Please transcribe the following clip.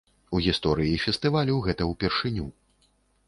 У гісторыі фестывалю гэта ўпершыню.